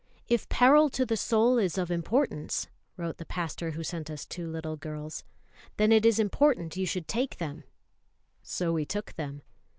"If peril to the soul is of importance," wrote the pastor who sent us two little girls, "then it is important you should take them": so we took them.